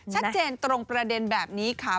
ชัดเจนตรงประเด็นแบบนี้ค่ะ